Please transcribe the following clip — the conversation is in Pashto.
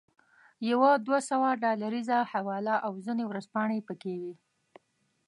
یوه دوه سوه ډالریزه حواله او ځینې ورځپاڼې پکې وې.